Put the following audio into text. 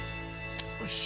よし。